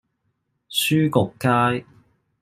書局街